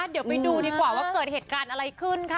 เดี๋ยวไปดูดีกว่าว่าเกิดเหตุการณ์อะไรขึ้นค่ะ